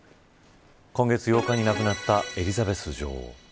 今月８日に亡くなったエリザベス女王。